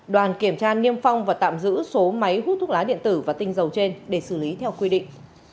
đoàn kiểm tra niêm phong và tạm giữ số máy hút thuốc lá điện tử và tinh dầu trên để xử lý theo quy định